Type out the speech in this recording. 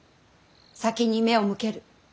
先に目を向ける。